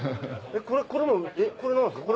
これもこれ何ですか？